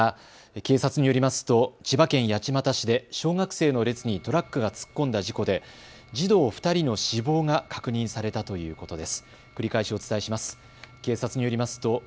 警察によりますと千葉県八街市で小学生の列にトラックが突っ込んだ事故で児童２人の死亡が確認されたということです。